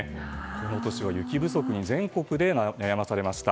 この年は雪不足に全国で悩まされました。